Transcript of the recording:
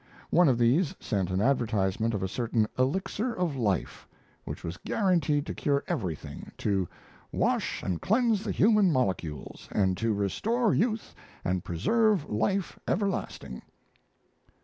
One of these sent an advertisement of a certain Elixir of Life, which was guaranteed to cure everything to "wash and cleanse the human molecules, and so restore youth and preserve life everlasting."